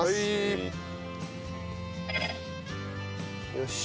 よし。